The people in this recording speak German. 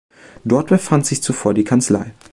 Dort befand sich zuvor die Kanzlei.